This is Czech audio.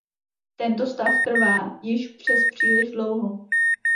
Tento stav trvá již přespříliš dlouho!